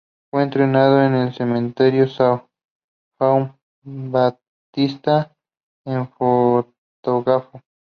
Fue enterrado en el Cementerio São João Batista, en Botafogo.